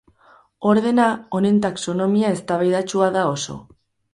Ordena honen taxonomia eztabaidatsua da oso.